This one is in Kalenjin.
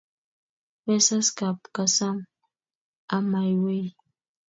Mesas kap kasam amaiwe i